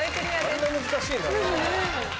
あんな難しいんだな。